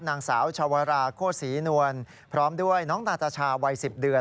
นางสาวชาวราโคศรีนวลพร้อมด้วยน้องนาตาชาวัย๑๐เดือน